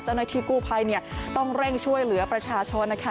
เจ้าหน้าที่กู้ภัยต้องเร่งช่วยเหลือประชาชนนะคะ